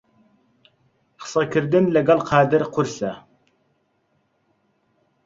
قسەکردن لەگەڵ قادر قورسە.